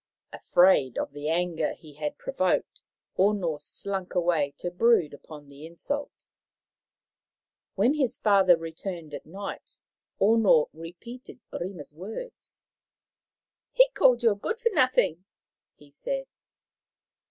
Afraid of the anger he had provoked, Ono slunk away to brood upon the insult. When his father returned at night, Ono re^ peated Rima's words. " He called you a good for nothing," he said.